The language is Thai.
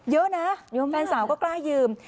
เยอะนะแฟนสาวก็กล้ายืม